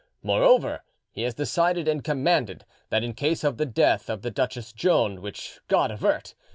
"Moreover, he has decided and commanded that in case of the death of the Duchess Joan—which God avert!